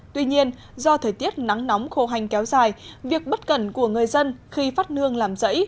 tuy nhiên do thời tiết nắng nóng khô hành kéo dài việc bất cẩn của người dân khi phát nương làm rẫy